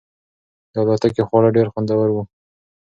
د الوتکې خواړه ډېر خوندور وو.